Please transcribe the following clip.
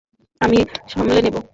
আমি সামলে নেবো।